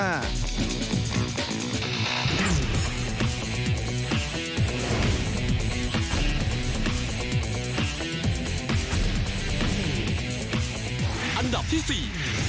อันดับที่๔